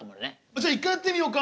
じゃあ一回やってみようか？